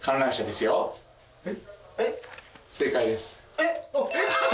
えっ！？